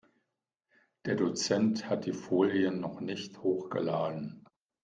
Der Dozent hat die Folien noch nicht hochgeladen.